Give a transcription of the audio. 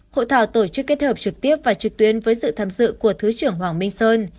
hội thảo tổ chức kết hợp trực tiếp và trực tuyến với sự tham dự của thứ trưởng hoàng minh sơn